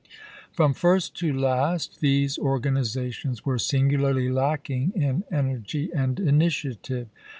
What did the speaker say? ise*. ms. From first to last these organizations were singularly lacking in energy and initiative.